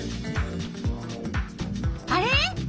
あれ？